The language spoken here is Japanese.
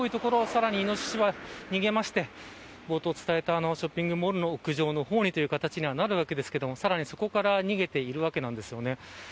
さらにイノシシは逃げまして冒頭に伝えたショッピングモールの屋上の方にという形になりますがさらに、そこから逃げているわけなんですよね。